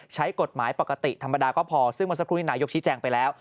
ใช้กฎหมายปกติธรรมดาก็พอซึ่งเมื่อสักครู่นี้นายกชี้แจงไปแล้ว